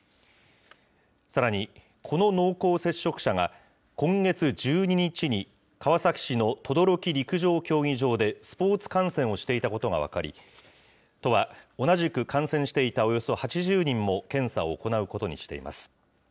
さらに、この濃厚接触者が今月１２日に川崎市の等々力陸上競技場でスポーツ観戦をしていたことが分かり、都は同じく観戦していたおよそ８０人も検査を行うことにしています。